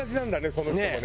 その人もね。